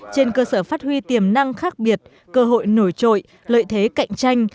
trên cơ sở phát huy tiềm năng khác biệt cơ hội nổi trội lợi thế cạnh tranh